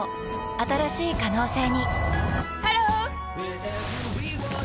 新しい可能性にハロー！